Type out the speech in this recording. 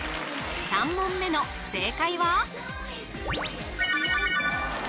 ３問目の正解は？